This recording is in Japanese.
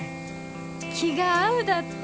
気が合うだって！